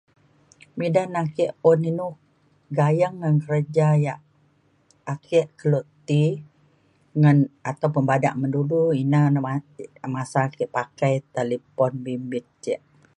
Midan ake un inu gayeng ngan kerja yak ake kelo ti ngan atau pa bada ngan dulu ina na masa ake pakai talipon bimbit ce